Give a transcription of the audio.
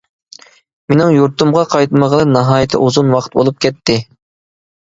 مېنىڭ يۇرتۇمغا قايتمىغىلى ناھايىتى ئۇزۇن ۋاقىت بولۇپ كەتتى.